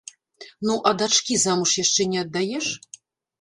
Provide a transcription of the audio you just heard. Ну, а дачкі замуж яшчэ не аддаеш?